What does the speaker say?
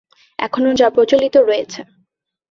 এখনও যা প্রচলিত রয়েছে।